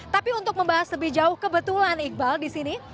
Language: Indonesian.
tapi untuk membahas lebih jauh kebetulan iqbal disini